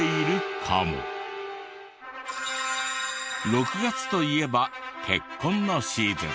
６月といえば結婚のシーズン。